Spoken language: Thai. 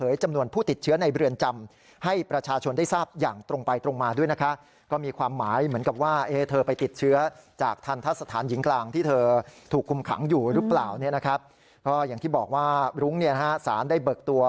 อยู่หรือเปล่าอย่างที่บอกว่าลุ้งสารได้เบิกตัว